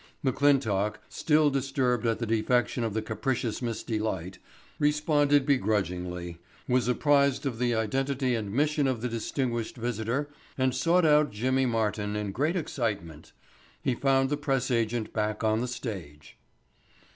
McClintock, still disturbed at the defection of the capricious Miss Delight, responded begrudgingly; was apprised of the identity and mission of the distinguished visitor and sought out Jimmy Martin in great excitement. He found the press agent back on the stage.